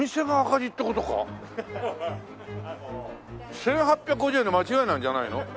１８５０円の間違いなんじゃないの？